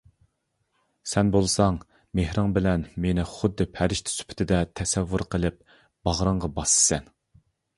سەن بولساڭ مېھرىڭ بىلەن مېنى خۇددى پەرىشتە سۈپىتىدە تەسەۋۋۇر قىلىپ باغرىڭغا باسىسەن.